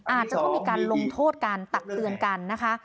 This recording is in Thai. อาจจะต้องมีการลงโทษกันตักเตือนกันนะคะ